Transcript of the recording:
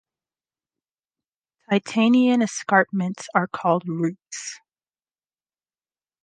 Titanian escarpments are called rupes.